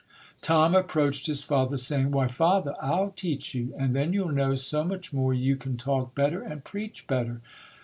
'Tom approached his father, saying, "Why Father, I'll teach you; and then you'll know so much more you can talk better and preach better".